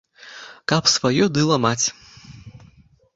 Каб сваё ды ламаць?